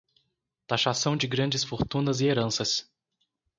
Taxação de grandes fortunas e heranças